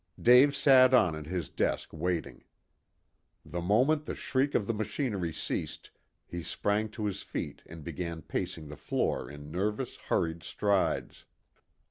Dave sat on at his desk waiting. The moment the shriek of the machinery ceased he sprang to his feet and began pacing the floor in nervous, hurried strides.